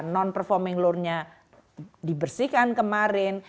non performing loan nya dibersihkan kemarin